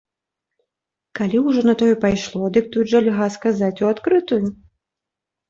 Калі ўжо на тое пайшло, дык тут жа льга сказаць у адкрытую.